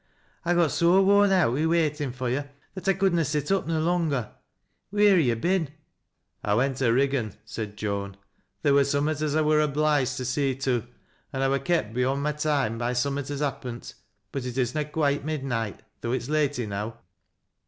I got so worn out wi' waitin' fur' yo' that I could na sit up no longer. Wheoi ha' yo' been ?"" I went to liiggan," said Joan. " Theer wur summat as I wur obliged to see to, an' I wur kept beyond my toime by summat as happent. But it is na quoite midneet though it's late enow."